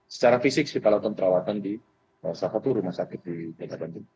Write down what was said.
secara fisik kita lakukan perawatan di salah satu rumah sakit di kota bandung